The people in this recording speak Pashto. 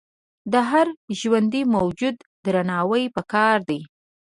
د هر ژوندي موجود درناوی پکار دی.